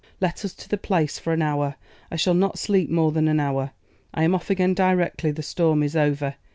let us to the Place, for an hour; I shall not sleep more than an hour. I am off again directly the storm is over.